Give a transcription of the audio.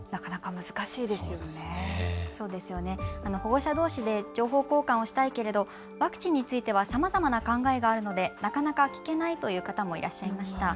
保護者どうしで情報交換をしたいけれどワクチンについてはさまざまな考えがあるのでなかなか聞けないという方もいらっしゃいました。